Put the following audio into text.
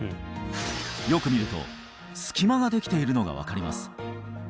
よく見ると隙間ができているのが分かります